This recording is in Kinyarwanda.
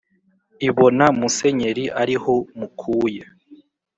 ibona musenyeri ari ho mukuye